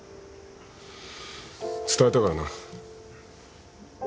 伝えたからな。